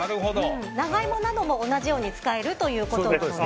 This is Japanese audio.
長イモなども同じように使えるということなんです。